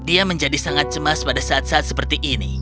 dia menjadi sangat cemas pada saat saat seperti ini